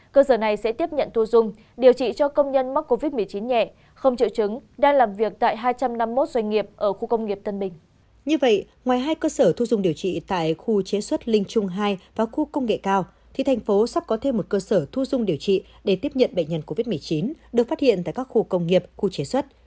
cơ sở thu dung điều trị tại khu chế xuất linh trung hai và khu công nghệ cao thì thành phố sắp có thêm một cơ sở thu dung điều trị để tiếp nhận bệnh nhân covid một mươi chín được phát hiện tại các khu công nghiệp khu chế xuất